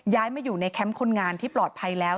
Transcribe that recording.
ย้ายมาอยู่ในแคมป์คนงานที่ปลอดภัยแล้ว